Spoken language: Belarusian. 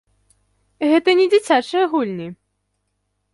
Гэта не дзіцячыя гульні.